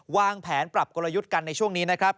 วางแผนปรับกลยุทธ์กันในช่วงนี้นะครับ